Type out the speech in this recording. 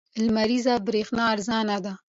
لمریزه برېښنا ارزانه ده.